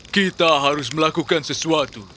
kita harus melakukan sesuatu